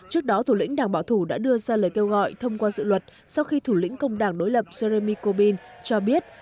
trước đó thủ lĩnh đảng bảo thủ đã đưa ra lời kêu gọi thông qua dự luật sau khi thủ lĩnh công đảng đối lập jeremy corbyl cho biết